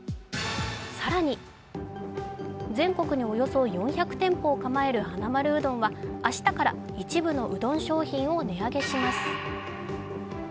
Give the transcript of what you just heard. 更に、全国におよそ４００店舗を構えるはなまるうどんは、明日から一部のうどん商品を値上げします。